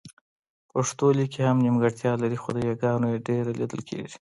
پښتو لیک هم خپله نيمګړتیا لري خو د یاګانو يې ډېره لیدل کېږي